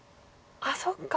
あっそっか。